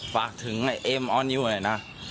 ฝากถึงไอ้เอมออนนิวเลยนะ